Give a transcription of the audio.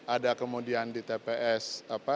ada kemudian di tps sembilan lima belas